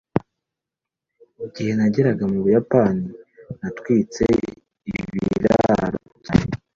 Igihe nageraga mu Buyapani natwitse ibiraro byanjye